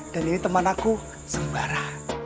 dan ini teman aku sembara